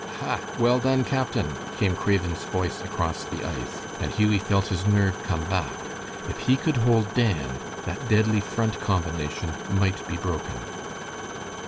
"Ha! well done, captain!" came Craven's voice across the ice, and Hughie felt his nerve come back. If he could hold Dan, that deadly Front combination might be broken.